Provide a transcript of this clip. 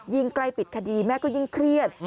ใกล้ปิดคดีแม่ก็ยิ่งเครียด